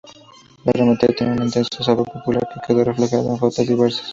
La romería tenía un intenso sabor popular que quedó reflejado en jotas diversas.